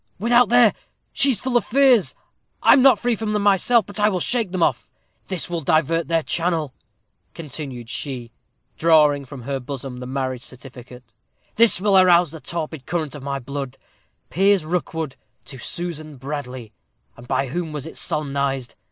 without there! She is full of fears. I am not free from them myself, but I will shake them off. This will divert their channel," continued she, drawing from her bosom the marriage certificate. "This will arouse the torpid current of my blood 'Piers Rookwood to Susan Bradley.' And by whom was it solemnized?